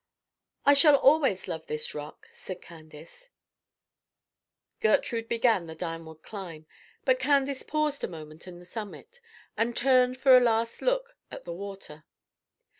"I shall always love this rock," said Candace. Gertrude began the downward climb; but Candace paused a moment on the summit, and turned for a last look at the water.